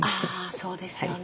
そうですよね。